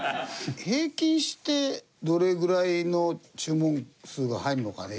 平均してどれぐらいの注文数が入るのかね？